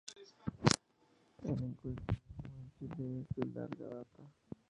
El ecumenismo en Chile es de larga data.